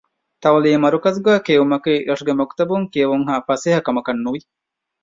ތަޢުލީމީ މަރުކަޒުގައި ކިޔެވުމަކީ ރަށުގެ މަކުތަބުން ކިޔެވުންހާ ފަސޭހަ ކަމަކަށް ނުވި